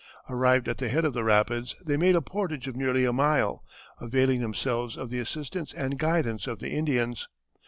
Arrived at the head of the rapids, they made a portage of nearly a mile, availing themselves of the assistance and guidance of the Indians.